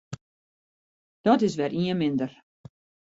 Dat is wer ien minder.